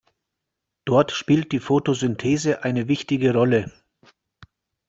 Dort spielt die Fotosynthese eine wichtige Rolle.